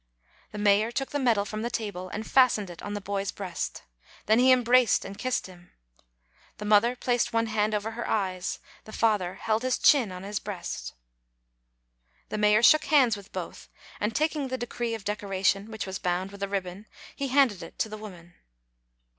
The mayor took the medal from the table, and fastened it on the boy's breast. Then he embraced and kissed him. The mother placed one hand over her eyes ; the father held his chin on his breast. The mayor shook hands with both; and taking the decree of decoration, which was bound with a ribbon, he handed it to the woman.